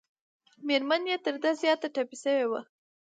مېرمن یې تر ده زیاته ټپي شوې وه.